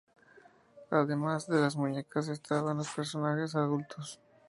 Además de las muñecas, estaban los personajes adultos.